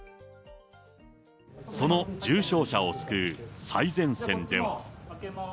その重症者を救う最前線では。